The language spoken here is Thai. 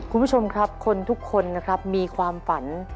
คุณผู้ชมครับคนทุกคนมีความฝัน